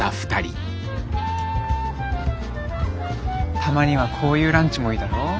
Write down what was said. たまにはこういうランチもいいだろ。